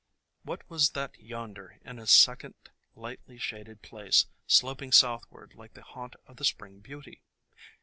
What was that yonder, in a second lightly shaded place, sloping southward like the haunt of the Spring Beauty?